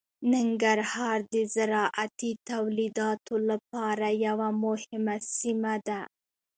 ننګرهار د زراعتي تولیداتو لپاره یوه مهمه سیمه ده.